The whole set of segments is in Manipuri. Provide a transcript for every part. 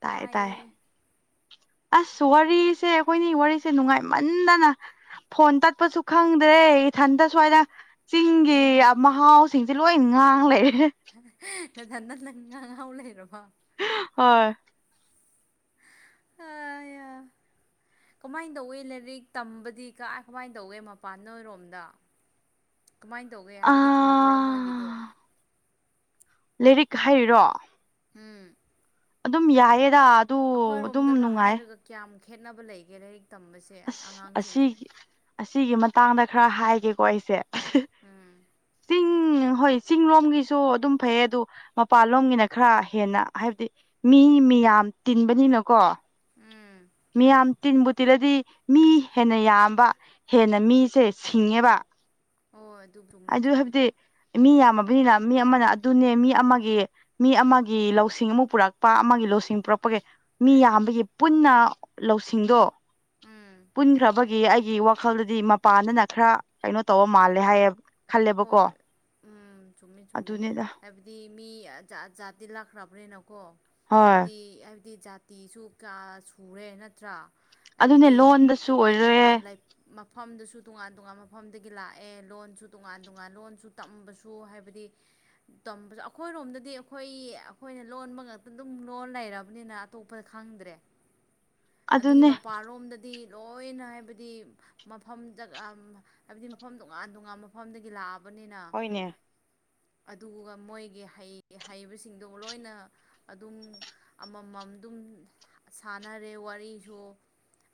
ꯇꯥꯏ ꯇꯥꯏ ꯇꯌꯦ ꯑꯁ ꯋꯥꯔꯤꯁꯦ ꯑꯩꯈꯣꯏꯅꯤ ꯋꯥꯔꯤꯁꯦ ꯅꯨꯡꯉꯥꯏꯃꯟꯗꯅ ꯐꯣꯟ ꯇꯠꯄꯁꯨ ꯈꯪꯗ꯭ꯔꯦ ꯏꯊꯟꯇ ꯁ꯭ꯋꯥꯏꯗ ꯆꯤꯡꯒꯤ ꯂꯩꯍꯧ ꯃꯍꯥꯎꯁꯤꯡꯁꯦ ꯂꯣꯏ ꯉꯥꯡ ꯂꯩꯔꯦ ꯅꯗ ꯅ ꯅꯪ ꯉ ꯉꯍꯥꯎ ꯂꯩꯔꯣ ꯍ ꯑ ꯀꯃꯥꯏꯅ ꯇꯧꯏ ꯂꯥꯏꯔꯤꯛ ꯇꯝꯕꯗꯤ ꯀꯥꯏ ꯀꯃꯥꯏꯅ ꯇꯧꯏ ꯃꯄꯥꯟꯔꯣꯝꯗ ꯀꯃꯥꯏꯅ ꯇꯧꯒꯦ ꯑꯥ ꯍꯥꯏꯕꯗꯤ ꯐꯕ꯭ꯔꯥ ꯃꯣꯏꯒꯤꯗꯣ ꯂꯥꯏꯔꯤꯛ ꯍꯥꯏꯔꯤꯔꯣ ꯎꯝ ꯑꯗꯨꯝ ꯌꯥꯏꯌꯦꯗ ꯑꯗꯨ ꯑꯗꯨꯝ ꯑꯩꯈꯣꯏꯔꯣꯝꯗꯒ ꯅꯨꯡꯉꯥꯏ ꯍꯥꯏꯔꯒ ꯀꯌꯥꯝ ꯈꯦꯠꯅꯕ ꯂꯩꯒꯦ ꯂꯥꯏꯔꯤꯛ ꯇꯝꯕꯁꯦ ꯑꯁ ꯑꯉꯥꯡꯁꯤꯡꯒꯤ ꯑꯁꯤꯒꯤ ꯑꯁꯤꯒꯤ ꯃꯇꯥꯡꯗ ꯈꯔ ꯍꯥꯏꯒꯦꯀꯣ ꯑꯩꯁꯦ ꯎꯝ ꯇꯤꯡ ꯍꯣꯏ ꯆꯤꯡ ꯂꯣꯝꯒꯤꯁꯨ ꯑꯗꯨꯝ ꯐꯩꯌꯦ ꯑꯗꯨ ꯃꯄꯥꯟ ꯂꯣꯝꯒꯤꯅ ꯈꯔ ꯍꯦꯟꯅ ꯍꯥꯏꯕꯗꯤ ꯃꯤ ꯃꯤꯌꯥꯝ ꯇꯤꯟꯕꯅꯤꯅꯀꯣ ꯎꯝ ꯃꯤꯌꯥꯝ ꯇꯤꯟꯕꯨ ꯇꯤꯜꯂꯗꯤ ꯃꯤ ꯍꯦꯟꯅ ꯌꯥꯝꯕ ꯍꯦꯟꯅ ꯃꯤꯁꯦ ꯁꯤꯡꯉꯦꯕ ꯑꯣ ꯑꯗꯨ ꯆꯨꯝꯃꯦ ꯑꯗꯨ ꯆꯨꯝꯃꯦ ꯍꯥꯏꯕꯗꯤ ꯃꯤ ꯌꯥꯝ ꯕꯅꯤꯅ ꯃꯤ ꯑꯃꯅ ꯑꯗꯨꯅꯦ ꯃꯤ ꯑꯃꯒꯤ ꯃꯤ ꯑꯃꯒꯤ ꯂꯧꯁꯤꯡ ꯑꯃ ꯄꯨꯔꯛꯄ ꯑꯃꯒꯤ ꯂꯧꯁꯤꯡ ꯄꯨꯔꯛꯄ ꯃꯤ ꯌꯥꯝꯕꯒꯤ ꯄꯨꯟꯅ ꯂꯧꯁꯤꯡꯗꯣ ꯎꯝ ꯄꯨꯟꯈ꯭ꯔꯕ ꯑꯩꯒꯤ ꯋꯥꯈꯜꯗꯗꯤ ꯃꯄꯥꯗꯅ ꯈꯔ ꯀꯩꯅꯣ ꯇꯧꯕ ꯃꯥꯜꯂꯦ ꯍꯥꯏꯌꯦꯕ ꯈꯜꯂꯦꯕꯀꯣ ꯎ ꯆꯨꯝꯃꯦ ꯆꯨꯝꯃꯦ ꯑꯗꯨꯅꯤꯗ ꯍꯥꯏꯕꯗꯤ ꯃꯤ ꯖꯥꯠꯇꯤ ꯂꯥꯛꯈ꯭ꯔꯕ꯭ꯔꯦꯅꯀꯣ ꯍꯣꯏ ꯍꯥꯏꯕꯗꯤ ꯍꯥꯏꯕꯗꯤ ꯖꯥꯇꯤꯁꯨ ꯀꯌꯥ ꯁꯨꯔꯦ ꯅꯠꯇ꯭ꯔꯥ ꯑꯗꯨꯅꯦ ꯍꯥꯏꯕꯗꯤ ꯂꯣꯟꯗꯁꯨ ꯇꯣꯉꯥꯟ ꯑꯣꯏꯔꯦ ꯇꯣꯉꯥꯟ ꯃꯐꯝ ꯁꯨ ꯇꯣꯉꯥꯟ ꯇꯣꯉꯥꯟꯕ ꯃꯐꯝꯗꯒꯤ ꯂꯥꯛꯑꯦ ꯂꯣꯟꯁꯨ ꯇꯣꯉꯥꯟ ꯇꯣꯉꯥꯟ ꯂꯣꯟꯁꯨ ꯇꯝꯕꯁꯨ ꯍꯥꯏꯕꯗꯤ ꯇꯝꯕꯁꯨ ꯑꯩꯈꯣꯏꯔꯣꯝꯗꯗꯤ ꯑꯩꯈꯣꯏ ꯑꯩꯈꯣꯏ ꯑꯩꯣꯏꯩꯅ ꯂꯣꯟꯕ ꯉꯛꯇ ꯑꯗꯨꯝ ꯂꯣꯟ ꯂꯩꯔꯕꯅꯤꯅ ꯑꯇꯣꯞꯄꯗ ꯈꯪꯗ꯭ꯔꯦ ꯑꯗꯨꯒꯤ ꯑꯗꯨꯅꯦ ꯃꯄꯥꯟꯂꯣꯝꯗꯗꯤ ꯂꯣꯏꯅ ꯍꯥꯏꯕꯗꯤ ꯃꯐꯝꯖ ꯍꯥꯏꯕꯗꯤ ꯃꯐꯝ ꯇꯣꯉꯥꯟ ꯇꯣꯉꯥꯟ ꯃꯐꯝꯗꯒꯤ ꯂꯥꯛꯑꯕ ꯕꯅꯤꯅ ꯍꯣꯏꯅꯦ ꯑꯗꯨꯒ ꯃꯣꯏꯒꯤ ꯍꯩꯕꯁꯤꯡꯗꯣ ꯂꯣꯏꯅ ꯑꯗꯨꯝ ꯑꯃꯃꯝꯗꯨꯝ ꯁꯥꯟꯅꯔꯦ ꯋꯥꯔꯤꯁꯨ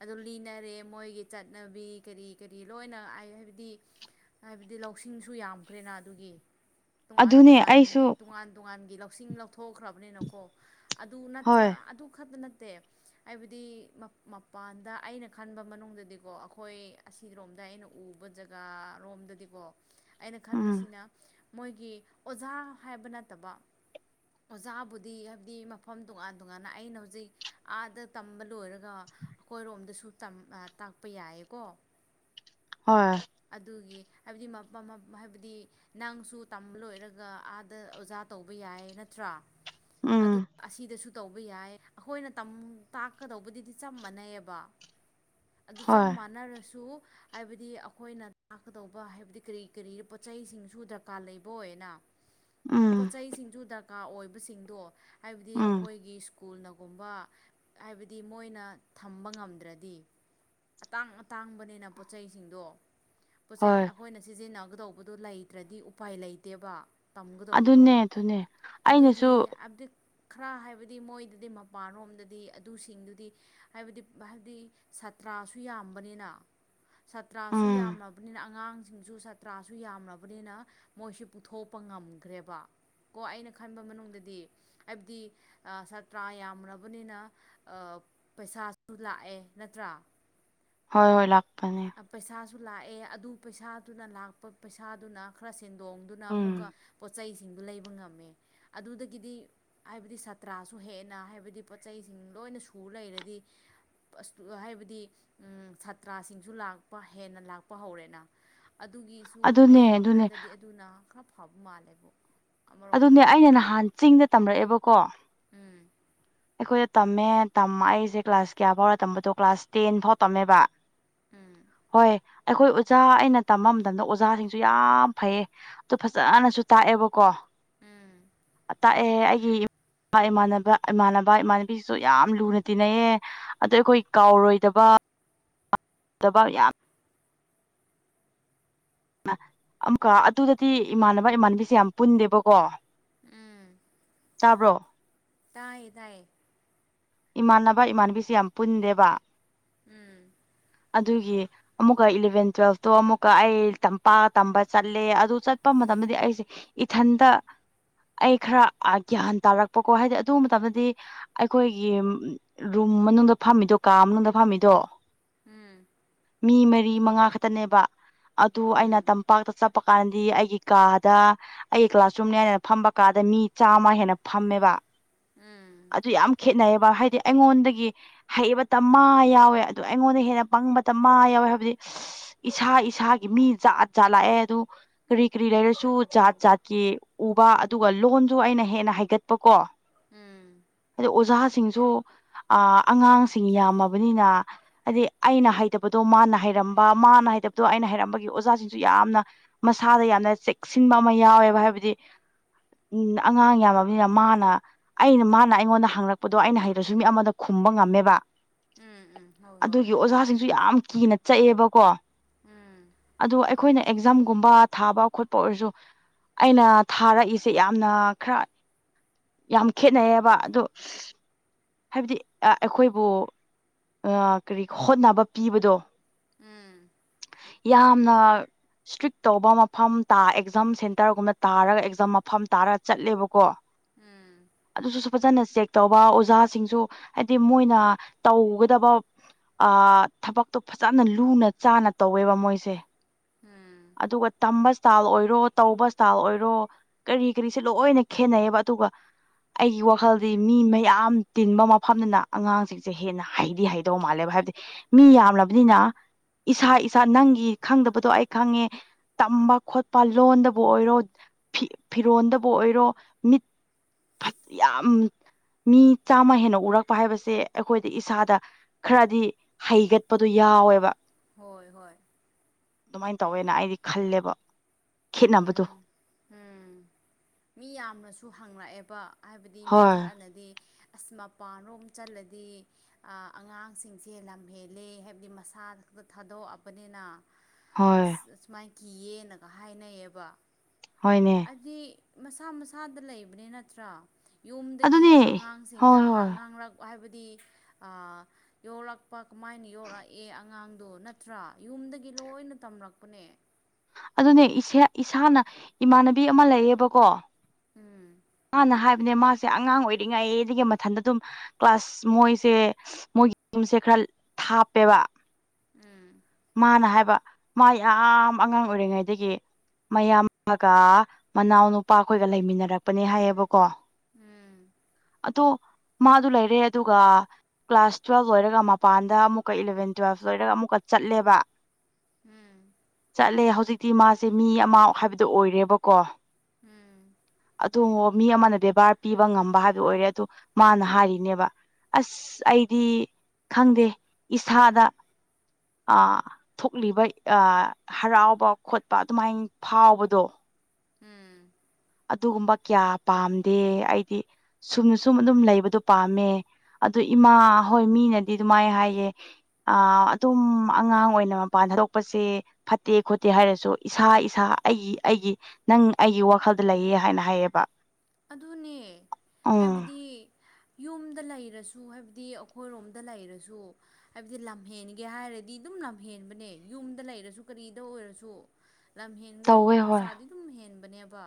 ꯑꯗꯨ ꯂꯤꯅꯔꯦ ꯃꯣꯏꯒꯤ ꯆꯠꯅꯕꯤ ꯀꯔꯤ ꯀꯔꯤ ꯂꯣꯏꯅ ꯍꯥꯏ ꯍꯥꯏꯕꯗꯤ ꯍꯥꯏꯕꯗꯤ ꯂꯧꯁꯤꯡꯁꯨ ꯌꯥꯝꯈ꯭ꯔꯦꯅ ꯑꯗꯨꯒꯤ ꯇꯣꯉꯥꯟ ꯑꯗꯨꯅꯦ ꯇꯣꯉꯥꯟ ꯑꯩꯁꯨ ꯇꯣꯉꯥꯟ ꯇꯣꯉꯥꯟꯒꯤ ꯂꯧ ꯀꯛꯁꯤꯡ ꯂꯧꯊꯣꯛꯈ꯭ꯔꯕꯅꯤꯅꯀꯣ ꯑꯗꯨ ꯅꯠꯇ꯭ꯔ ꯍꯣꯏ ꯑꯗꯨ ꯈꯛꯇꯅ ꯅꯠꯇꯦ ꯍꯥꯏꯕꯗꯤ ꯃꯄꯥꯟꯗ ꯑꯩꯅ ꯈꯟꯕ ꯃꯅꯨꯡꯗꯗꯤꯀꯣ ꯑꯩꯈꯣꯏ ꯑꯁꯤꯔꯣꯝꯗ ꯑꯩꯅ ꯎꯕ ꯖꯒꯥꯔꯣꯝꯗꯗꯤꯀꯣ ꯑꯩꯅ ꯎꯝ ꯈꯟꯕꯁꯤꯅ ꯃꯣꯏꯒꯤ ꯑꯣꯖꯥ ꯍꯥꯏꯕ ꯅꯠꯇꯕ ꯑꯣꯖꯥꯕꯨꯗꯤ ꯍꯥꯏꯕꯗꯤ ꯃꯐꯝ ꯇꯣꯉꯥꯟ ꯇꯣꯉꯥꯟꯅ ꯑꯩꯅ ꯍꯧꯖꯤꯛ ꯑꯥꯗ ꯇꯝꯕ ꯂꯣꯏꯔꯒ ꯑꯩꯈꯣꯏꯔꯣꯝꯗꯁꯨ ꯇꯥꯛꯄ ꯌꯥꯏꯌꯦꯀꯣ ꯍꯣꯏ ꯑꯗꯨꯒꯤ ꯍꯥꯏꯕꯗꯤ ꯍꯥꯏꯕꯗꯤ ꯅꯪꯁꯨ ꯇꯝꯕ ꯂꯣꯏꯔꯒ ꯑꯥꯗ ꯑꯣꯖꯥ ꯠꯇ ꯎꯝ ꯇꯧꯕ ꯌꯥꯏ ꯑꯩꯈꯣꯏꯅ ꯇꯥꯛꯀꯗꯧꯕꯗꯨꯗꯤ ꯆꯞ ꯃꯥꯟꯅꯩꯑꯕ ꯑꯗꯨ ꯆꯞ ꯍꯣꯏ ꯃꯥꯟꯅꯔꯁꯨ ꯍꯥꯏꯕꯗꯤ ꯑꯩꯈꯣꯏꯅ ꯇꯥꯛꯀꯗꯧꯕ ꯍꯥꯏꯕꯗꯤ ꯀꯔꯤ ꯀꯔꯤ ꯄꯣꯠ ꯆꯩꯁꯤꯡꯁꯨ ꯗꯔꯀꯥꯔ ꯂꯩꯕꯅ ꯎꯝ ꯄꯣꯠ ꯆꯩꯁꯤꯡꯁꯨ ꯗꯔꯀꯥꯔ ꯑꯣꯏꯕꯁꯤꯡꯗꯣ ꯍꯥꯏꯕꯗꯤ ꯎꯝ ꯑꯩꯈꯣꯏꯒꯤ ꯁ꯭ꯀꯨꯜꯅꯒꯨꯝꯕ ꯍꯥꯏꯕꯗꯤ ꯃꯣꯏꯅ ꯊꯝꯕ ꯉꯝꯗ꯭ꯔꯗꯤ ꯑꯇꯥꯡ ꯑꯇꯥꯡꯕꯅꯤꯅ ꯄꯣꯠꯁꯤꯡꯗꯣ ꯄꯣꯠꯆꯩ ꯍꯣꯏ ꯑꯩꯈꯣꯏꯅ ꯁꯤꯖꯤꯟꯅꯒꯗꯧꯕꯗꯨꯣ ꯂꯩꯇ꯭ꯔꯗꯤ ꯎꯄꯥꯏ ꯂꯩꯇꯦꯕ ꯇꯝꯒꯗꯧꯕꯗꯣ ꯑꯗꯨꯅꯦ ꯑꯗꯨꯅꯦ ꯑꯗꯨꯒꯤ ꯑꯩꯅꯁꯨ ꯍꯥꯏꯕꯗꯤ ꯈꯔ ꯍꯥꯏꯕꯗꯤ ꯃꯣꯏꯗꯗꯤ ꯃꯄꯥꯟꯔꯣꯝꯗꯗꯤ ꯑꯗꯨꯁꯤꯡꯗꯨꯗꯤ ꯍꯥꯏꯕꯗꯤ ꯍꯥꯏꯕꯗꯤ ꯁꯥꯠꯇ꯭ꯔ ꯥꯁꯨ ꯌꯥꯝꯕꯅꯤꯅ ꯁꯥꯇ꯭ꯔꯥꯁꯨ ꯎꯝ ꯌꯥꯝꯃꯕꯅꯤꯅ ꯑꯉꯥꯡ ꯁꯤꯡꯁꯨ ꯁꯥꯇ꯭ꯔꯥꯁꯨ ꯌꯥꯝꯂꯕꯅꯤꯅ ꯃꯣꯏꯁꯤ ꯄꯨꯊꯣꯛꯄ ꯉꯝꯈ꯭ꯔꯦꯕ ꯀꯣ ꯑꯩꯅ ꯈꯟꯕ ꯃꯅꯨꯡꯗꯗꯤ ꯍꯥꯏꯕꯗꯤ ꯁꯥꯇ꯭ꯔꯥ ꯌꯥꯝꯕꯅꯤꯅ ꯄꯩꯁꯥꯁꯨ ꯂꯥꯛꯑꯦ ꯅꯠꯇ꯭ꯔꯥ ꯍꯣꯏ ꯍꯣꯏ ꯂꯥꯛ ꯄꯩꯁꯥꯁꯨ ꯂꯥꯛꯑꯦ ꯑꯗꯨ ꯄꯩꯁꯥꯗꯨꯅ ꯂꯥꯛꯄ ꯄꯩꯁꯥꯗꯨꯅ ꯈꯔ ꯁꯦꯟꯗꯣꯡꯗꯨꯅ ꯑꯃꯨꯛꯀ ꯎꯝ ꯄꯣꯠꯆꯩ ꯁꯤꯡ ꯂꯩꯕ ꯉꯝꯃꯦ ꯑꯗꯨꯗꯒꯤꯗꯤ ꯍꯥꯏꯕꯗꯤ ꯁꯥꯇ꯭ꯔꯁꯨ ꯍꯦꯟꯅ ꯍꯥꯏꯕꯗꯤ ꯄꯣꯠ ꯆꯩꯁꯤꯡ ꯂ ꯂꯣꯏꯅ ꯁ ꯂꯩꯔꯗꯤ ꯍꯥꯏꯕꯗꯤ ꯁꯥꯇ ꯂꯥꯛꯄ ꯍꯦꯟꯅ ꯂꯥꯛꯄ ꯍꯧꯔꯦꯅ ꯑꯗꯨꯒꯤꯁꯨ ꯑꯗꯨꯅꯦ ꯑꯩ ꯑꯗꯨꯅꯦ ꯋꯥꯈꯜꯗꯗꯤ ꯑꯗꯨꯅ ꯈꯔ ꯍꯞ ꯃꯥꯂꯦꯕꯨ ꯑꯗꯨꯅꯦ ꯑꯩꯅ ꯅꯍꯥꯟ ꯆꯤꯡꯗ ꯇꯝꯔꯛꯑꯦꯕꯀꯣ ꯎꯝ ꯑꯩꯈꯣꯏꯗ ꯇꯝꯃꯦ ꯇꯝꯃꯦ ꯑꯩꯖꯦ ꯀ꯭ꯂꯥꯁ ꯀꯌꯥ ꯐꯥꯎꯔ ꯇꯝꯕꯗꯣ ꯀ꯭ꯂꯥꯁ ꯇꯦꯟ ꯐꯥꯎ ꯇꯝꯃꯦꯕ ꯎꯝ ꯍꯣꯏ ꯑꯩꯈꯣꯏ ꯑꯣꯖꯥ ꯑꯩꯅ ꯇꯝꯕ ꯃꯇꯝꯗ ꯑꯣꯖꯥꯁꯤꯡꯁꯨ ꯌꯥꯝ ꯐꯩꯌꯦ ꯑꯗꯨ ꯐꯖꯅꯁꯨ ꯇꯥꯛꯑꯦꯕꯀꯣ ꯎꯝ ꯇꯥꯛꯑꯦ ꯑꯩꯒꯤ ꯏꯃꯥꯟꯅꯕ ꯏꯃꯥꯟꯅꯕ ꯏꯃꯥꯟꯅꯕꯤꯁꯤꯁꯨ ꯌꯥꯝ ꯂꯨꯅ ꯇꯤꯟꯅꯩꯑꯦ ꯑꯗꯣ ꯑꯩꯈꯣꯏ ꯀꯥꯎꯔꯣꯏꯗꯕ [unintelligible] ꯗꯕꯥꯎ ꯌꯥꯝ ꯑꯃꯨꯀ ꯑꯗꯨꯗꯗꯤ ꯏꯃꯥꯟꯅꯕ ꯏꯃꯥꯟꯅꯕꯤꯁꯦ ꯌꯥꯝ ꯄꯨꯟꯗꯦꯕꯀꯣ ꯇꯥꯕ꯭ꯔꯣ ꯇꯥꯏ ꯇꯥꯏ ꯏꯃꯥꯟꯅꯕ ꯏꯃꯥꯟꯕꯤꯁꯤ ꯌꯥꯝ ꯄꯨꯟꯗꯦꯕ ꯎꯝ ꯑꯗꯨꯒꯤ ꯑꯃꯨꯛꯀ ꯏꯂꯚꯦꯟ ꯇꯨꯋꯦꯜꯐꯇꯣ ꯑꯃꯨꯛꯀ ꯑꯩꯄꯥꯛ ꯇꯝꯕ ꯆꯠꯂꯦ ꯑꯗꯨ ꯆꯠꯄ ꯃꯇꯝꯗ ꯑꯩꯁꯦ ꯏꯊꯟꯇ ꯑꯩ ꯈꯔ ꯒ꯭ꯌꯥꯟ ꯇꯥꯔꯛꯄꯀꯣ ꯍꯥꯏꯗꯤ ꯑꯗꯨ ꯃꯇꯝꯗꯗꯤ ꯑꯩꯈꯣꯏꯒꯤ ꯔꯨꯝ ꯃꯅꯨꯡꯗ ꯐꯝꯃꯤꯗꯣ ꯀꯥ ꯃꯅꯨꯡꯗ ꯐꯝꯃꯤꯗꯣ ꯎꯝ ꯃꯤ ꯃꯔꯤ ꯃꯉꯥ ꯈꯛꯇꯅꯦꯕ ꯑꯗꯨ ꯑꯩꯅ ꯎꯝ ꯇꯝꯄꯥꯛꯇ ꯆꯠꯄ ꯍꯥꯞꯄ ꯀꯥꯟꯗꯗꯤ ꯑꯩꯒꯤ ꯀꯥꯗ ꯑꯩ ꯀ꯭ꯂꯥꯁ ꯆꯨꯝꯅꯤ ꯍꯥꯏꯗꯅ ꯐꯝꯕ ꯀꯥꯗ ꯃꯤ ꯆꯥꯝꯃ ꯍꯦꯟꯅ ꯐꯝꯃꯦꯕ ꯎꯝ ꯑꯗꯨ ꯌꯥꯝ ꯈꯦꯠꯅꯩꯑꯕ ꯍꯥꯏꯗꯤ ꯑꯩꯉꯣꯟꯗꯒꯤ ꯍꯩꯕꯇ ꯃꯥ ꯌꯥꯎꯋꯦ ꯑꯗꯨ ꯑꯩꯉꯣꯟꯗ ꯍꯦꯟꯅ ꯄꯪꯕꯇ ꯃꯥ ꯌꯥꯎꯋꯦ ꯍꯥꯏꯕꯗꯤ ꯏꯁꯥ ꯏꯁꯥꯒꯤ ꯃꯤ ꯖꯥꯠ ꯖꯥꯠ ꯂꯥꯛꯑꯦ ꯑꯗꯨ ꯀꯔꯤ ꯀꯔꯤ ꯂꯩꯔꯁꯨ ꯖꯥꯠ ꯖꯥꯠꯀꯤ ꯎꯕ ꯑꯗꯨꯒ ꯂꯣꯟꯁꯨ ꯑꯩꯅ ꯍꯦꯟꯅ ꯍꯥꯏꯒꯠꯄ ꯀꯣ ꯎꯝ ꯑꯣꯖꯥꯁꯤꯡꯁꯨ ꯑ ꯑꯉꯥꯡꯁꯤꯡ ꯌꯥꯝꯃꯕꯅꯤꯅ ꯍꯥꯏꯗꯤ ꯑꯩꯅ ꯍꯩꯇꯕꯗꯣ ꯃꯥꯅ ꯍꯩꯔꯝꯕ ꯃꯥꯅ ꯍꯥꯏꯇꯕꯗꯣ ꯑꯩꯅ ꯍꯥꯏꯔꯝꯕꯒꯤ ꯑꯣꯖꯥꯁꯤꯡꯁꯨ ꯌꯥꯝꯅ ꯃꯁꯥꯗ ꯌꯥꯝꯅ ꯆꯦꯛꯁꯤꯟꯕ ꯑꯃ ꯌꯥꯎꯋꯦꯕ ꯍꯥꯏꯕꯗꯤ ꯎꯝ ꯑꯉꯥꯡ ꯌꯥꯝꯃꯕꯅꯤꯅ ꯃꯥꯅ ꯑꯩꯅ ꯃꯥꯅ ꯑꯩꯉꯣꯟꯗ ꯍꯪꯂꯛꯄꯗꯣ ꯑꯩꯅ ꯍꯩꯔꯁꯨ ꯃꯤ ꯑꯃꯗ ꯈꯨꯝꯕ ꯉꯝꯃꯦꯕ ꯎꯝ ꯎꯝ ꯍꯣꯏ ꯍꯣꯏ ꯑꯗꯨꯒꯤ ꯑꯣꯖꯥꯁꯤꯡꯁꯨ ꯌꯥꯝ ꯀꯤꯅ ꯆꯠꯑꯦꯕꯀꯣ ꯎꯝ ꯑꯗꯨ ꯑꯩꯈꯣꯏꯅ ꯑꯦꯛꯖꯥꯝꯒꯨꯝꯕ ꯊꯥꯕ ꯈꯣꯠꯄ ꯑꯣꯏꯔꯁꯨ ꯑꯩꯅ ꯊꯥꯔꯛꯏꯁꯦ ꯌꯥꯝꯅ ꯈꯔ ꯌꯥꯝ ꯈꯦꯠꯅꯩꯌꯦꯕ ꯑꯗꯣ ꯍꯥꯏꯕꯗꯤ ꯑꯩꯈꯣꯏꯕꯨ ꯀꯔꯤ ꯍꯣꯠꯅꯕ ꯄꯤꯕꯗꯣ ꯎꯝ ꯌꯥꯝꯅ ꯏꯁꯇ꯭ꯔꯤꯛ ꯇꯧꯕ ꯃꯐꯝ ꯇꯥ ꯑꯦꯛꯖꯥꯝ ꯁꯦꯟꯇꯔꯒꯨꯝꯅ ꯇꯥꯔꯒ ꯑꯦꯛꯖꯥꯝ ꯃꯐꯝ ꯇꯥꯔꯒ ꯆꯠꯂꯦꯕꯀꯣ ꯎꯝ ꯑꯗꯨꯁꯨ ꯐꯖꯅ ꯆꯦꯛ ꯇꯧꯕ ꯑꯣꯖꯥ ꯁꯤꯡ ꯍꯥꯏꯗꯤ ꯃꯣꯏꯅ ꯇꯧꯒꯗꯕ ꯊꯕꯛꯇꯣ ꯐꯖꯅ ꯂꯨꯅ ꯆꯥꯅ ꯇꯧꯋꯦꯕ ꯃꯣꯏꯁꯦ ꯎꯝ ꯑꯗꯨꯒ ꯇꯝꯕ ꯏꯁꯇꯥꯏꯜ ꯑꯣꯏꯔꯣ ꯇꯧꯕ ꯏꯁꯇꯥꯏꯜ ꯑꯣꯏꯔꯣ ꯀꯔꯤ ꯀꯔꯤꯁꯦ ꯂꯣꯏꯅ ꯈꯦꯠꯅꯩꯌꯦꯕ ꯇꯒ ꯑꯩꯒꯤ ꯋꯥꯈꯜꯗꯤ ꯃꯤ ꯃꯌꯥꯝ ꯇꯤꯟꯕ ꯃꯐꯝꯗꯨꯅ ꯑꯉꯥꯡꯁꯤꯡꯁꯦ ꯍꯦꯟꯅ ꯍꯩꯗꯤ ꯍꯩꯗꯧ ꯃꯥꯜꯂꯦ ꯚ ꯍꯥꯏꯕꯗꯤ ꯃꯤ ꯌꯥꯝꯂꯕꯅꯤꯅ ꯏꯁꯥ ꯏꯁꯥ ꯅꯪꯒꯤ ꯈꯪꯗꯕꯗꯣ ꯑꯩ ꯈꯪꯉꯦ ꯇꯝꯕ ꯈꯣꯠꯄ ꯂꯣꯟꯗꯕꯨ ꯑꯣꯏꯔꯣ ꯐꯤꯔꯣꯟꯗꯕꯨ ꯑꯣꯏꯔꯣ ꯃꯤꯠ ꯐꯊ ꯌꯥꯝꯝ ꯃꯤ ꯆꯥꯝꯃ ꯍꯦꯟꯅ ꯎꯔꯛꯄ ꯍꯥꯏꯕꯁꯦ ꯑꯩꯈꯣꯏꯗꯤ ꯏꯁꯥꯗ ꯈꯔꯗꯤ ꯍꯩꯒꯠꯄꯗꯣ ꯌꯥꯏ ꯌꯥꯎꯋꯦꯕ ꯍꯣꯏ ꯍꯣꯏ ꯑꯗꯨꯃꯥꯏꯅ ꯇꯧꯋꯦꯅ ꯑꯩꯗꯤ ꯈꯜꯂꯦꯕ ꯈꯦꯠꯅꯕꯗꯣ ꯎꯝ ꯎꯝ ꯃꯤ ꯌꯥꯝꯅꯁꯨ ꯍꯪꯉꯛꯑꯦꯕ ꯍꯥꯏꯕꯗꯤ ꯃꯤ ꯍꯣꯏ ꯈꯔꯅꯗꯤ ꯑꯁ ꯃꯄꯥꯟ ꯔꯣꯝ ꯆꯜꯂꯗꯤ ꯑꯉꯥꯡꯁꯤꯡꯁꯦ ꯂꯝꯍꯦꯜꯂꯦ ꯍꯥꯏꯕꯗꯤ ꯃꯁꯥꯗ ꯊꯥꯗꯣꯛꯑꯕꯅꯤꯅ ꯍꯣꯏ ꯑꯁ ꯑꯁꯨꯃꯥꯏꯅ ꯀꯤꯌꯦꯅꯒ ꯍꯥꯏꯅꯩꯑꯌꯦꯕ ꯍꯣꯏꯅꯦ ꯑꯗꯨꯗꯤ ꯃꯁꯥ ꯃꯁꯥꯗ ꯂꯩꯕꯅꯤ ꯅꯠꯇ꯭ꯔꯥ ꯌꯨꯝꯗꯒꯤ ꯑꯗꯨꯅꯦ ꯑꯉꯥꯡꯁꯤꯡꯗ ꯍꯣꯏ ꯍꯣꯏ ꯉꯥꯡꯂꯛ ꯍꯥꯏꯕꯗꯤ ꯌꯣꯛꯂꯛꯄ ꯀꯃꯥꯏꯅ ꯌꯣꯛꯔꯛꯑꯦ ꯑꯉꯥꯡꯗꯣ ꯅꯠꯇ꯭ꯔꯥ ꯌꯨꯝꯗꯒꯤ ꯂꯣꯏꯅ ꯇꯝ ꯊꯝꯂꯛꯄꯅꯦ ꯑꯗꯨꯅꯦ ꯏꯁꯥꯅ ꯏꯃꯥꯟꯅꯕꯤ ꯑꯃ ꯂꯩꯌꯦꯕꯀꯣ ꯎꯝ ꯃꯥꯅ ꯍꯥꯏꯕꯅꯦ ꯃꯥꯁꯦ ꯑꯉꯥꯡ ꯑꯣꯏꯔꯤꯉꯩ ꯑꯗꯨꯗꯒꯤ ꯃꯊꯟꯗ ꯑꯗꯨꯝ ꯀ꯭ꯂꯥꯁ ꯃꯣꯏꯁꯦ ꯃꯣꯏꯒꯤ ꯌꯨꯝꯁꯦ ꯈꯔ ꯊꯥꯞꯄꯦꯕ ꯎꯝ ꯃꯥꯅ ꯍꯥꯏꯕ ꯃꯥ ꯌꯥꯝ ꯑꯉꯥꯡ ꯑꯣꯏꯔꯤꯉꯩꯗꯒꯤ ꯃꯌꯥꯝꯒ ꯃꯅꯥꯎꯅ ꯅꯨꯄꯥꯈꯣꯏꯒ ꯂꯩꯃꯤꯟꯅꯔꯛꯄꯅꯦ ꯍꯥꯏꯌꯦꯕꯀꯣ ꯎꯝ ꯑꯗꯣ ꯃꯥꯗꯨ ꯂꯩꯔꯦ ꯑꯗꯨꯒ ꯀ꯭ꯂꯥꯁ ꯇꯨꯋꯦꯜꯕ ꯂꯣꯏꯔꯒ ꯃꯄꯥꯟꯗ ꯑꯃꯨꯛꯀ ꯏꯂꯚꯦꯟ ꯇꯨꯋꯦꯜꯕ ꯂꯣꯏꯔꯒ ꯑꯃꯨꯛꯀ ꯆꯠꯂꯦꯕ ꯎꯝ ꯆꯠꯂꯦ ꯍꯧꯖꯤꯛꯇꯤ ꯃꯥꯁꯦ ꯃꯤ ꯑꯃ ꯍꯥꯏꯕꯗꯣ ꯑꯣꯏꯔꯦꯕꯀꯣ ꯎꯝ ꯑꯗꯨ ꯃꯤ ꯑꯃꯅ ꯕꯦꯕꯥꯔ ꯄꯤꯕ ꯉꯝꯕ ꯍꯥꯏꯕ ꯑꯣꯏꯔꯦ ꯑꯗꯨ ꯃꯥꯅ ꯍꯥꯏꯔꯤꯅꯦꯕ ꯑꯁ ꯑꯩꯗꯤ ꯈꯪꯗꯦ ꯏꯁꯥꯗ ꯑ ꯊꯣꯛꯂꯤꯕ ꯑ ꯍꯔꯥꯎꯕ ꯈꯣꯠꯄ ꯑꯗꯨꯃꯥꯏꯅ ꯐꯥꯎꯕꯗꯣ ꯎꯝ ꯑꯗꯨꯒꯨꯝꯕ ꯀꯌꯥ ꯄꯥꯝꯗꯦ ꯑꯩꯗꯤ ꯁꯨꯝꯅ ꯁꯨꯝ ꯑꯗꯨꯝ ꯂꯩꯕꯗꯣ ꯄꯥꯝꯃꯦ ꯑꯗꯨ ꯏꯃꯥ ꯍꯣꯏ ꯃꯤꯅꯗꯤ ꯑꯗꯨꯃꯥꯏꯅ ꯍꯥꯏꯌꯦꯦ ꯑ ꯑꯗꯨꯝ ꯑꯉꯥꯡ ꯑꯣꯏꯅ ꯃꯄꯥꯟ ꯊꯥꯗꯣꯛꯄꯁꯦ ꯐꯠꯇꯦ ꯈꯣꯠꯇꯦ ꯍꯥꯏꯔꯁꯨ ꯏꯁꯥ ꯏꯁꯥ ꯑꯩꯒꯤ ꯑꯩꯒꯤ ꯅꯪ ꯑꯩꯒꯤ ꯋꯥꯈꯜꯗ ꯂꯩꯌꯦ ꯍꯥꯏꯅ ꯍꯥꯏꯌꯦꯕ ꯑꯗꯨꯅꯦ ꯎꯝ ꯍꯥꯏꯕꯗꯤ ꯌꯨꯝꯗ ꯂꯩꯔꯁꯨ ꯍꯥꯏꯕꯗꯤ ꯑꯩꯈꯣ ꯍꯥꯏꯕ ꯂꯝꯒꯦ ꯍꯥꯏꯔꯗꯤ ꯑꯗꯨ ꯌꯨꯝꯗ ꯂꯩꯔꯁꯨ ꯀꯔꯤꯗ ꯑꯣꯏꯔꯁꯨ ꯂꯝ ꯇꯧꯋꯦ ꯍꯦꯟꯒꯗꯧꯕ ꯍꯣꯏ ꯃꯆꯥꯗꯤ ꯑꯗꯨꯝ ꯍꯦꯟꯕꯅꯦꯕ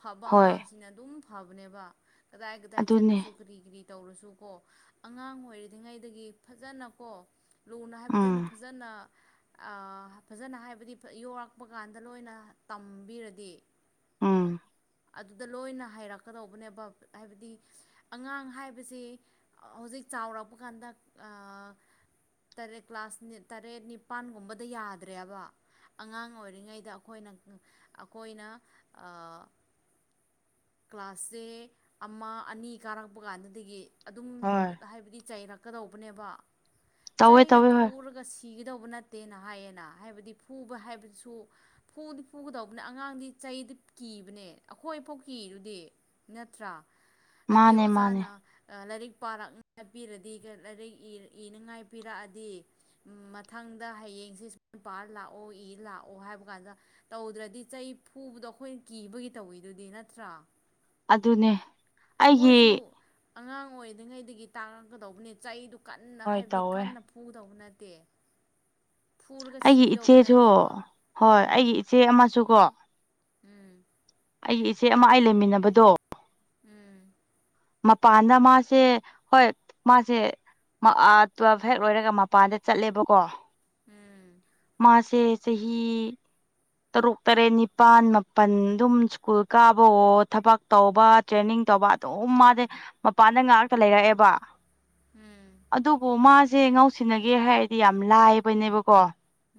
ꯐꯕ ꯍꯣꯏ ꯑꯉꯥꯡꯁꯤꯅ ꯑꯗꯨꯝ ꯐꯕꯅꯦꯕ ꯀꯗꯥꯏ ꯀꯗꯥꯏ ꯆꯂ ꯑꯗꯨꯅꯦ ꯁꯨꯒꯔꯤ ꯀꯔꯤ ꯇꯧꯔꯁꯨꯀꯣ ꯑꯉꯥꯡ ꯑꯣꯏꯔꯤꯔꯤꯉꯩꯗꯒꯤ ꯐꯖꯅꯀꯣ ꯂꯨꯅ ꯍꯥꯏꯕꯕꯁꯤꯅ ꯎꯝ ꯐꯖꯅ ꯐꯖꯅ ꯍꯥꯏꯕꯗꯤ ꯌꯂꯛꯄ ꯀꯥꯟꯗ ꯂꯣꯏꯅ ꯇꯝꯕꯤꯔꯗꯤ ꯑꯝ ꯑꯗꯨꯗ ꯂꯣꯏꯅ ꯍꯥꯏꯔꯛꯄ ꯂꯥꯛꯀꯗꯧꯕꯅꯦꯕ ꯍꯥꯏꯕꯗꯤ ꯑꯉꯥꯡ ꯍꯥꯏꯕꯕꯁꯤꯦ ꯍꯧꯖꯤꯛ ꯆꯥꯎꯔꯛꯄ ꯀꯥꯟꯗ ꯇꯔꯦꯠ ꯀ꯭ꯂꯥꯁ ꯇꯔꯦꯠ ꯅꯤꯄꯥꯥꯟꯒꯨꯝꯕꯗ ꯌꯥꯗ꯭ꯔꯦꯕ ꯑꯉꯥꯡ ꯑꯣꯏꯔꯤꯉꯩꯗ ꯑꯩꯈꯣꯏꯅ ꯑꯩꯈꯣꯏꯅ ꯀ꯭ꯂꯥꯁꯁꯦ ꯑꯃ ꯑꯅꯤ ꯀꯥꯔꯛꯄ ꯀꯥꯟꯗꯒꯤ ꯑꯗꯨꯝ ꯍꯣꯏ ꯍꯥꯏꯕꯗꯤ ꯆꯩꯔꯛ ꯀꯗꯧꯕꯅꯦꯕ ꯇꯧꯋꯦ ꯆꯩꯅ ꯇꯧꯋꯦ ꯍꯣꯏ ꯐꯨꯔꯒ ꯁꯤ ꯀꯤꯒꯗꯧꯕ ꯅꯠꯇꯦꯅ ꯍꯥꯏꯌꯦꯅ ꯍꯥꯏꯕꯗꯤ ꯐꯨꯕ ꯍꯥꯏꯕꯗꯨꯁꯨ ꯐꯨꯗꯤ ꯐꯨꯒꯗꯧꯕꯅꯤ ꯑꯉꯥꯡꯗꯤ ꯆꯩꯗꯤ ꯀꯤꯕꯅꯦ ꯑꯩꯈꯣꯏꯐꯥꯎ ꯀꯤꯔ ꯗꯤ ꯅꯠꯇ꯭ꯔꯥ ꯍꯥꯏꯕꯗꯤ ꯃꯥꯅꯦ ꯃꯥꯅꯦ ꯑꯣꯖꯥꯅ ꯂꯥꯏꯔꯤꯛ ꯄꯥꯔꯛꯅ ꯄꯤꯔꯗꯤ ꯂꯥꯏꯔꯤꯛ ꯏꯅꯉꯥꯏ ꯄꯤꯔꯛꯑꯗꯤ ꯃꯊꯪꯗ ꯍꯌꯦꯡ ꯑꯣꯑꯣ ꯍꯥꯏ ꯀ ꯇꯧꯗ꯭ꯔ ꯐ ꯑꯩꯣꯏꯅꯤ ꯑꯗꯨꯒꯤ ꯇꯧꯋꯤꯗꯨꯗꯤ ꯅꯠꯇ꯭ꯔꯥ ꯑꯗꯨꯅꯦ ꯑꯩꯒꯤ ꯃꯣꯏꯁꯨ ꯑꯉꯥꯡ ꯑꯣꯏꯔꯤꯉꯩꯗꯒꯤ ꯇꯥꯛꯉꯛꯀꯗꯧꯕꯅꯦ ꯆꯩꯗꯨ ꯀꯟꯅ ꯍꯣꯏ ꯍꯥꯏꯕꯗꯤ ꯇꯧꯋꯦ ꯀꯟꯅ ꯐ ꯄꯨꯒꯗꯧꯕ ꯅꯠꯇꯦ ꯐꯨꯔꯒ ꯑꯩꯒꯤ ꯁꯤꯗꯧꯕ ꯏꯆꯦꯁꯨ ꯅꯠꯇꯦꯕ ꯍꯣꯏ ꯎꯝ ꯑꯩꯒꯤ ꯏꯆꯦ ꯑꯃꯁꯨꯀꯣ ꯎꯝ ꯑꯩꯒꯤ ꯏꯆꯦ ꯑꯃ ꯑꯩ ꯂꯩꯃꯤꯟꯅꯕꯗꯣ ꯎꯝ ꯃꯄꯥꯟꯗ ꯃꯥꯁꯦ ꯍꯣꯏ ꯃꯥꯁꯦ ꯇꯨꯋꯦꯜꯐ ꯍꯦꯛ ꯂꯣꯏꯔꯒ ꯃꯄꯥꯟꯗ ꯆꯠꯂꯦꯕꯀꯣ ꯎꯝ ꯃꯥꯁꯦ ꯆꯍꯤ ꯇꯔꯨꯛ ꯇꯔꯦꯠ ꯅꯤꯄꯥꯜ ꯃꯥꯄꯜ ꯑꯗꯨꯝ ꯁ꯭ꯀꯨꯜ ꯀꯥꯕ ꯑꯣ ꯊꯕꯛ ꯇꯧꯕ ꯇ꯭ꯔꯦꯅꯤꯡ ꯇꯧꯕ ꯑꯗꯨꯝ ꯃꯥꯗꯤꯦ ꯃꯄꯥꯟꯗ ꯉꯥꯛꯇ ꯂꯩꯔꯛꯑꯦꯕ ꯑꯗꯨꯕꯨ ꯃꯥꯁꯦ ꯉꯥꯎꯁꯤꯟꯅꯒꯦ ꯍꯥꯏꯔꯗꯤ ꯌꯥꯝ ꯂꯥꯏꯕꯅꯦꯕꯀꯣ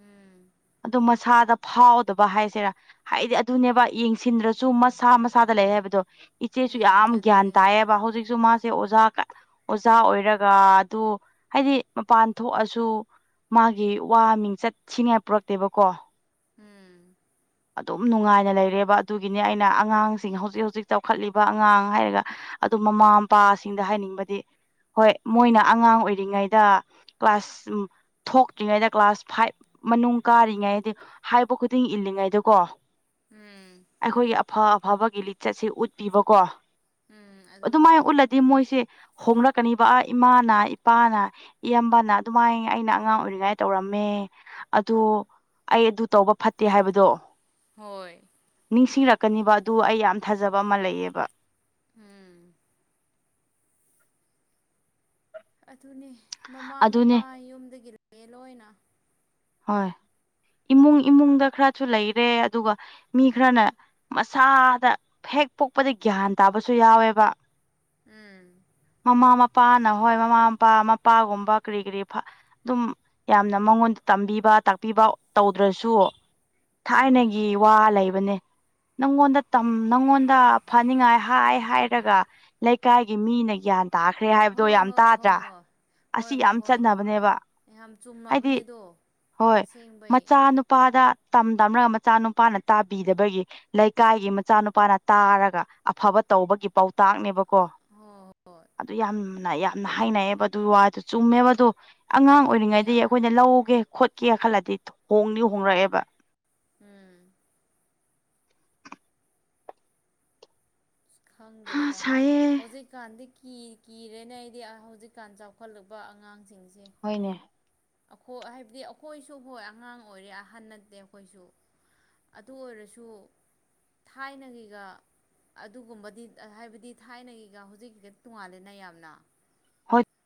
ꯎꯝ ꯎꯝ ꯑꯗꯣ ꯃꯁꯥꯗ ꯐꯥꯎꯗꯕ ꯍꯥꯏꯁꯤꯔꯥ ꯍꯥꯏꯗꯤ ꯑꯗꯨꯅꯦꯕ ꯌꯦꯡꯁꯤꯟꯗ꯭ꯔꯁꯨ ꯃꯁꯥ ꯃꯁꯥꯗ ꯂꯩ ꯍꯥꯏꯕꯗꯣ ꯏꯆꯦꯁꯨ ꯎꯝ ꯌꯥꯝ ꯒ꯭ꯌꯥꯟ ꯑꯗꯨꯅꯦ ꯇꯥꯏꯑꯕ ꯍꯧꯖꯤꯛꯁꯨ ꯃꯥ ꯁꯦ ꯑꯣꯖꯥ ꯑꯣꯖꯥ ꯑꯣꯏꯔꯒ ꯑꯗꯨ ꯍꯥꯏꯗꯤ ꯃꯄꯥꯟ ꯊꯣꯛꯑꯁꯨ ꯃꯥꯒꯤ ꯋꯥ ꯃꯤꯡꯆꯠ ꯁꯤꯅꯤꯉ ꯄꯨꯔꯛꯇꯦꯕꯀꯣ ꯎꯝ ꯑꯗꯨꯝ ꯅꯨꯡꯉꯥꯏꯅ ꯂꯩꯔꯦꯕ ꯑꯗꯨꯒꯤꯅꯤ ꯑꯩꯅ ꯑꯉꯥꯡꯁꯤꯡ ꯍꯧꯖꯤꯛ ꯍꯧꯖꯤꯛ ꯆꯥꯎꯈꯠꯂꯤꯕ ꯑꯉꯥꯡ ꯍꯥꯏꯔꯒ ꯑꯗꯨ ꯃꯃꯥ ꯃꯄꯥꯁꯤꯡꯗ ꯍꯥꯏꯅꯤꯡꯕꯗꯤ ꯍꯣꯏ ꯃꯣꯏꯅ ꯑꯉꯥꯡ ꯑꯣꯏꯔꯤꯉꯩꯗ ꯀ꯭ꯂꯥꯁ ꯊꯣꯛꯇ꯭ꯔꯤꯉꯩꯗ ꯀ꯭ꯂꯥꯁ ꯐꯥꯏꯚ ꯃꯅꯨꯡ ꯀꯥꯔꯤꯉꯩꯗꯤ ꯍꯥꯏꯕ ꯈꯨꯗꯤꯡ ꯏꯜꯂꯤꯉꯩꯗ ꯀꯣ ꯎꯝ ꯑꯩꯈꯣꯏꯒꯤ ꯑꯐ ꯑꯐꯕꯒꯤ ꯂꯤꯆꯠꯁꯦ ꯎꯠꯄꯤꯕꯀꯣ ꯎꯝ ꯑꯗꯨꯅꯦ ꯑꯗꯨꯃꯥꯏꯅ ꯎꯠꯂꯗꯤ ꯃꯣꯏꯁꯦ ꯍꯣꯡꯂꯛꯀꯅꯤꯕ ꯑ ꯏꯃꯥꯅ ꯏꯄꯥꯅ ꯏꯌꯥꯝꯕꯅ ꯑꯗꯨꯃꯥꯏꯅ ꯑꯩꯅ ꯑꯉꯥꯡ ꯑꯣꯏꯔꯤꯉꯥꯏ ꯇꯧꯔꯝꯃꯦ ꯑꯗꯨ ꯑꯩ ꯑꯗꯨ ꯇꯧꯕ ꯐꯠꯇꯦ ꯍꯥꯏꯕꯗꯣ ꯍꯣꯏ ꯂꯥꯛꯀꯅꯤꯕ ꯑꯗꯨ ꯑꯩ ꯌꯥꯝ ꯊꯥꯖꯕ ꯑꯃ ꯂꯩꯑꯕ ꯎꯝ ꯑꯗꯨꯅꯦ ꯃꯃꯥ ꯑꯗꯨꯅꯦ ꯃꯄꯥ ꯌꯨꯝꯗꯒꯤ ꯂꯩꯑꯦ ꯂꯣꯏꯅ ꯍꯣꯏ ꯏꯃꯨꯡ ꯏꯃꯨꯡꯗ ꯈꯔꯁꯨ ꯂꯩꯔꯦ ꯑꯗꯨꯒ ꯃꯤ ꯈꯔꯅ ꯃꯁꯥꯗ ꯍꯦꯛ ꯄꯣꯛꯄꯗ ꯒ꯭ꯌꯥꯟ ꯇꯥꯕꯁꯨ ꯌꯥꯎꯋꯦꯕ ꯎꯝ ꯃꯃꯥ ꯃꯄꯥꯅ ꯍꯣꯏ ꯃꯃꯥ ꯃꯄꯥ ꯃꯄꯥꯒꯨꯝꯕ ꯀꯔꯤ ꯀꯔꯤ ꯑꯗꯨꯝ ꯌꯥꯝꯅ ꯃꯉꯣꯟ ꯇꯝꯕꯤꯕ ꯇꯥꯛꯄꯤꯕ ꯇꯧꯗ꯭ꯔꯁꯨ ꯎꯝ ꯊꯥꯏꯅꯒꯤ ꯋꯥ ꯂꯩꯕꯅꯦ [inaudible] ꯅꯪꯉꯣꯟꯗ ꯅꯪꯉꯣꯟꯗ ꯐꯅꯤꯡꯉꯥꯏ ꯍꯥꯏ ꯍꯥꯏꯔꯒ ꯂꯩꯀꯥꯏꯒꯤ ꯃꯤꯅ ꯒ꯭ꯌꯥꯟ ꯇꯥꯈ꯭ꯔꯦ ꯍꯥꯏꯕꯗꯣ ꯍꯣꯏ ꯌꯥꯝ ꯍꯣꯏ ꯍꯣꯏ ꯇꯥꯗ꯭ꯔꯥ ꯍꯣꯏ ꯑꯁꯤ ꯍꯣꯏ ꯍꯣꯏ ꯌꯥꯝ ꯍꯣꯏ ꯆꯠꯅꯕꯅꯦꯕ ꯌꯥꯝ ꯍꯥꯏꯗꯤ ꯆꯨꯝꯅꯕꯅꯦ ꯑꯗꯣ ꯍꯣꯏ ꯑꯁꯦꯡꯕꯩ ꯃꯆꯥ ꯅꯨꯄꯥ ꯅꯨꯄꯥꯗ ꯇꯝ ꯇꯝꯔꯒ ꯃꯆꯥ ꯅꯨꯨꯄꯥꯅ ꯇꯥꯕꯤꯗꯕꯒꯤ ꯂꯩꯀꯥꯏꯒꯤ ꯃꯆꯥꯅꯨꯄꯥꯅ ꯇꯥꯔꯒ ꯑꯐꯕ ꯇꯧꯕꯒꯤ ꯄꯥꯎꯇꯥꯛꯅꯦꯕꯀꯣ ꯍꯣꯏ ꯑꯗꯨ ꯌꯥꯝꯅ ꯌꯥꯝꯅ ꯍꯥꯏꯅꯩꯑꯕ ꯑꯗꯨꯒꯤ ꯋꯥꯗꯨ ꯆꯨꯝꯃꯦꯕꯗꯣ ꯑꯉꯥꯡ ꯍꯣꯏ ꯆꯨꯝꯃꯤ ꯑꯣꯏꯔꯤꯉꯩꯗ ꯌꯥꯝꯅ ꯑꯩꯈꯣꯏꯅ ꯂꯧꯒꯦ ꯈꯣꯠꯀꯦ ꯈꯜꯂꯗꯤ ꯍꯣꯡꯗꯤ ꯍꯣꯡꯡꯂꯛꯑꯦꯕ ꯎꯝ ꯍꯥ ꯈꯪꯗ꯭ꯔꯦꯗ ꯁꯥꯏꯌꯦ ꯍꯧꯖꯤꯛꯀꯥꯟꯗꯤ ꯤ ꯀꯤꯔꯦꯅ ꯑꯩꯗꯤ ꯍꯧꯖꯤꯛꯀꯥꯟ ꯆꯥꯎꯈꯠꯂꯛꯄ ꯑꯉꯥꯡꯁꯤꯡꯁꯦ ꯍꯣꯏꯅꯦ ꯑꯩꯈꯣꯏ ꯍꯥꯏꯕꯗꯤ ꯑꯩꯈꯣꯏꯁꯨ ꯍꯣꯏ ꯑꯉꯥꯡ ꯑꯣꯏꯔꯦ ꯑꯍꯟ ꯅꯠꯇꯦ ꯑꯩꯈꯣꯏꯁꯨ ꯑꯗꯨ ꯑꯣꯏꯔꯁꯨ ꯊꯥꯏꯅꯒꯤꯒ ꯑꯗꯨꯒꯨꯝꯕꯗꯤ ꯍꯥꯏꯕꯗꯤ ꯊꯥꯏꯅꯒꯤꯒ ꯍꯧꯖꯤꯛꯀꯤꯒ ꯇꯣꯡꯉꯥꯂꯦꯅ ꯌꯥꯝꯅ ꯍꯣꯏ